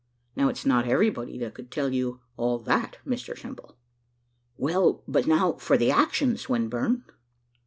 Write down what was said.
Now, it's not everybody that could tell you all that, Mr Simple." "Well, but now for the action, Swinburne."